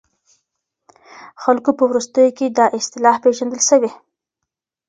خلګو په وروستيو کې دا اصطلاح پېژندلې ده.